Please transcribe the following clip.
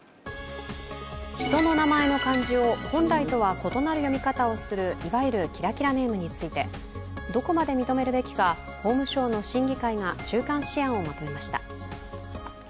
人の名前の漢字を本来とは異なる読み方をするいわゆるキラキラネームについて、どこまで認めるべきか法務省の審議会が中間試案をまとめました。